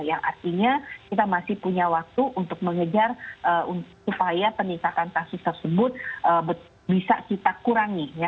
yang artinya kita masih punya waktu untuk mengejar supaya peningkatan kasus tersebut bisa kita kurangi